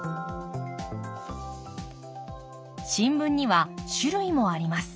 新聞には種類もあります。